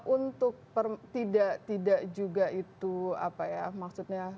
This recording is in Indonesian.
untuk tidak juga itu apa ya maksudnya